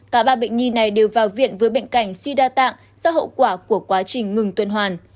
cả ba bệnh nhi này đều vào viện với bệnh cảnh suy đa tạng do hậu quả của quá trình ngừng tuyên hoàn